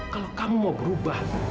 kalau kamu mau berubah